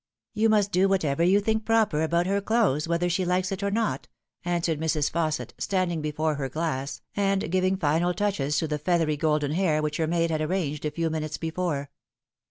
" You must do whatever you think proper about her clothes, whether she likes it or not," answered Mrs. Fausset, standing before her glass, and giving final touches to the feathery golden hair which her maid had arranged a few minutes before.